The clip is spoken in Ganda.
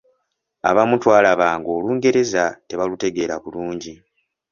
Abamu twalaba nga Olungereza tebalutegeera bulungi.